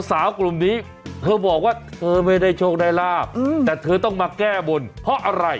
สาวกลุ่มนี้เธอบอกว่าเธอไม่ได้โชคได้ลาบแต่เธอต้องมาแก้บนเพราะอะไร